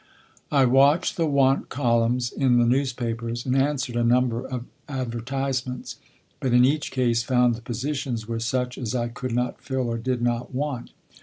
I watched the "want" columns in the newspapers and answered a number of advertisements, but in each case found the positions were such as I could not fill or did not want.